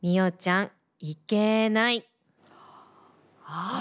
ああ！